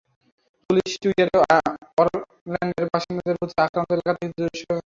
Police টুইটারে অরল্যান্ডোর বাসিন্দাদের প্রতি আক্রান্ত এলাকা থেকে দূরে থাকতে আহ্বান জানিয়েছে।